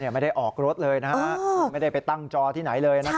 ไม่ได้ออกรถเลยนะฮะไม่ได้ไปตั้งจอที่ไหนเลย